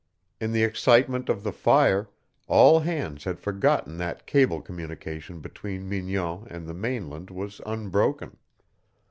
In the excitement of the fire all hands had forgotten that cable communication between Mignon and the mainland was unbroken.